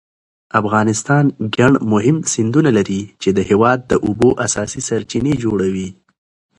افغانستان ګڼ مهم سیندونه لري چې د هېواد د اوبو اساسي سرچینې جوړوي.